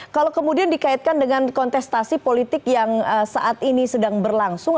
kalau kemudian dikaitkan dengan kontestasi politik yang saat ini sedang berlangsung